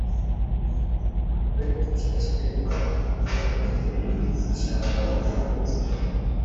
nta we urusha cyilima uyu gushaka u rwanda.